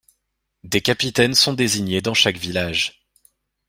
Des capitaines sont désignés dans chaque village.